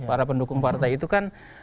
para pendukung partai itu kan